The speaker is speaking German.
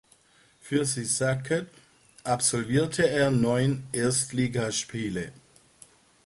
Für Sisaket absolvierte er neun Erstligaspiele.